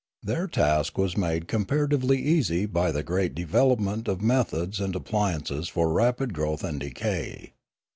Their task was made compara tively easy by the great development of methods and appliances for rapid growth and decay.